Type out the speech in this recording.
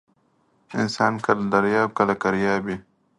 انسان کله درياب ، کله کرياب وى.